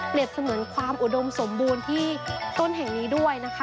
เสมือนความอุดมสมบูรณ์ที่ต้นแห่งนี้ด้วยนะคะ